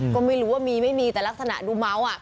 ก็ไม่รู้ว่ามีไม่มีแต่ลักษณะดูเมา